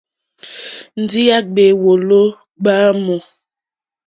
Ndǐ à ɡbě wòló ɡbámù.